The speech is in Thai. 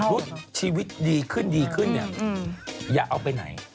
รู้ชีวิตดีขึ้นอย่าเอาไปไหน